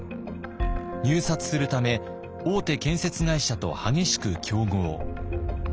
入札するため大手建設会社と激しく競合。